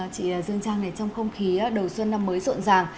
chị dương trang này trong không khí đầu xuân năm mới rộn ràng